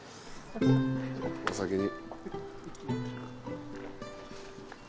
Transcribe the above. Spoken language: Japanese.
お先に。